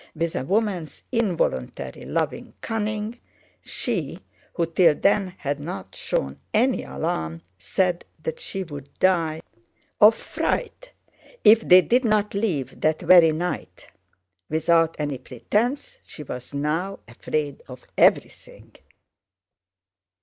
With a woman's involuntary loving cunning she, who till then had not shown any alarm, said that she would die of fright if they did not leave that very night. Without any pretense she was now afraid of everything.